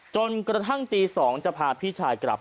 จนกระทั่งตี๒จะพาพี่ชายกลับ